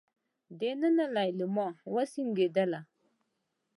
دننه ليلما وسونګېدله.